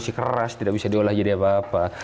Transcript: masih keras tidak bisa diolah jadi apa apa